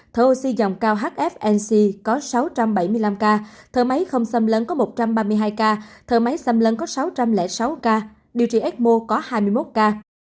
thở oxy dòng cao hfnc có sáu trăm bảy mươi năm ca thở máy không xâm lấn có một trăm ba mươi hai ca thợ máy xăm lấn có sáu trăm linh sáu ca điều trị ecmo có hai mươi một ca